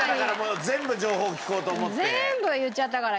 全部を言っちゃったから今。